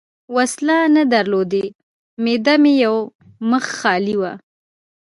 وسلې نه درلودې، معده مې یو مخ خالي وه.